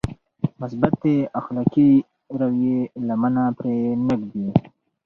مثبتې اخلاقي رويې لمنه پرې نهږدي.